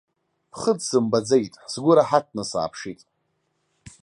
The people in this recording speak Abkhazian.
Ԥхыӡ сымбаӡеит, сгәы раҳаҭны сааԥшит.